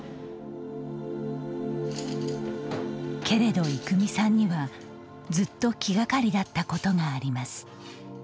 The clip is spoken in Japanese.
けれど育美さんには、ずっと気がかりだったことがあります。